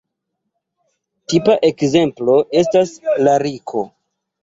Tipa ekzemplo estas lariko.